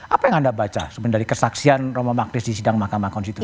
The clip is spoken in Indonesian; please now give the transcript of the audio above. apa yang anda baca sebenarnya dari kesaksian roma magris di sidang mahkamah konstitusi